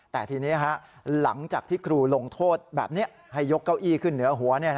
แต่ทีนี้หลังจากที่ครูลงโทษแบบนี้ให้ยกเก้าอี้ขึ้นเหนือหัว